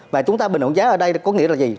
và chúng ta bình ổn giá ở đây có nghĩa là gì